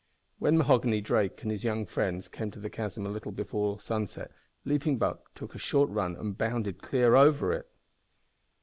When Mahoghany Drake and his young friends came up to the chasm a little before sunset Leaping Buck took a short run and bounded clear over it.